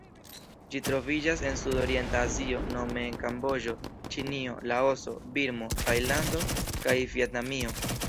Ĝi troviĝas en Sudorienta Azio nome en Kamboĝo, Ĉinio, Laoso, Birmo, Tajlando kaj Vjetnamio.